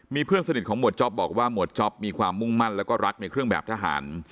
มีเพื่อนสนิทของหวดจ๊อปบอกว่าหมวดจ๊อปมีความมุ่งมั่นแล้วก็รักในเครื่องแบบทหาร